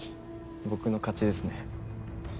僕の勝ちですね。